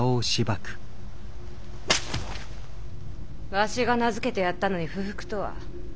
わしが名付けてやったのに不服とは。